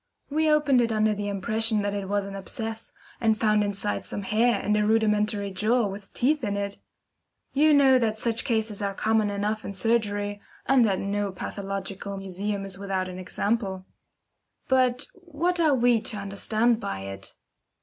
We opened it under the impression that it was an abscess, and found inside some hair and a rudimentary jaw with teeth in it. You know that such cases are common enough in surgery, and that no pathological museum is without an example. But what are we to understand by it?